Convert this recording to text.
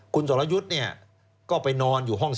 คุณสวรรยุทธ์ก็ไปนอนอยู่ห้อง๑๑